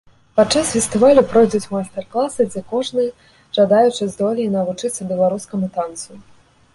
Падчас фестывалю пройдуць майстар класы, дзе кожны жадаючы здолее навучыцца беларускаму танцу.